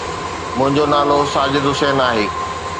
منهنجو نالو ساجد حسين آهي.